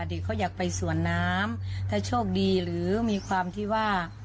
เด็กเขาอยากไปสวนน้ำถ้าโชคดีหรือมีความที่ว่า